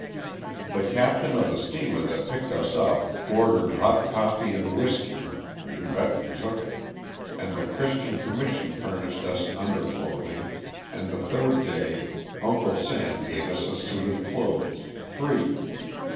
The cap tain of the steamer that picked us up, ordered hot coffee 42 LOSS OF THE SULTANA. and whiskey (you bet we took it) ; and the Christian commission furnished us under clothing, and the third day "Uncle Sam" gave us a suit of clothes, free.